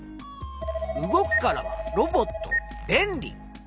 「動く」からは「ロボット」「べんり」。